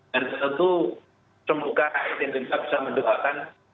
dan tentu semoga indonesia bisa mendukakan